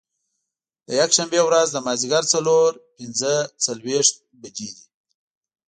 د یکشنبې ورځ د مازدیګر څلور پنځه څلوېښت بجې دي.